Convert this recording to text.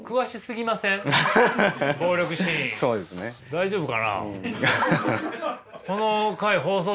大丈夫かな。